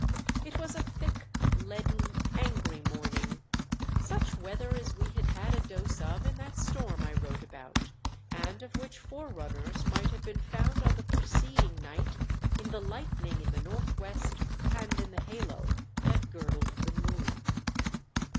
It was a thick, leaden, angry morning ; such weather as we had had a dose of in that storm I wrote about, and of which forerunners might have been found on the preceding night in the lightning in the north west and in the halo that girdled the moon.